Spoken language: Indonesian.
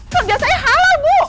kerja saya halal bu